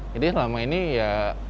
jadi selama ini ya